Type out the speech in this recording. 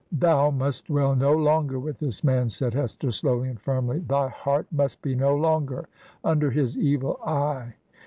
... 'Thou must dwell no longer with this man,' said Hester, slowly and firmly. ' Thy heart must be no longer under his evil eye!'